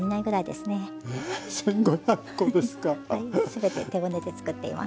全て手ごねで作っています。